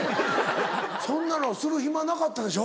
そんなのする暇なかったでしょ？